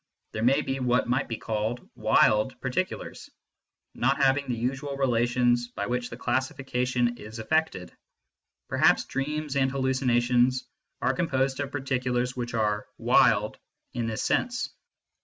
There may be what might be called " wild " particulars, not having the usual relations by which the classification is effected ; perhaps dreams and hallucinations are composed of particulars which are " wild " in this sense.